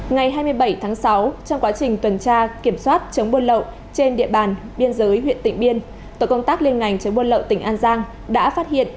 ngày hai mươi bảy tháng sáu trong quá trình tuần tra kiểm soát chống buôn lậu trên địa bàn biên giới huyện tỉnh biên tổ công tác liên ngành chống buôn lậu tỉnh an giang đã phát hiện